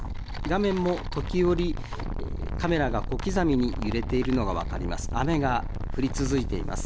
画面も時折カメラが小刻みに揺れているのが分かります。